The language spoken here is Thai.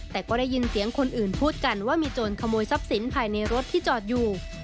แต่ก็ได้ยินเสียงคนอื่นพูดกันว่ามีโจรขโมยทรัพย์สินภายในรถที่จอดอยู่